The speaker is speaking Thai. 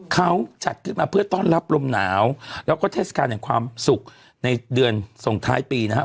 เขาจัดขึ้นมาเพื่อต้อนรับลมหนาวแล้วก็เทศกาลแห่งความสุขในเดือนส่งท้ายปีนะฮะ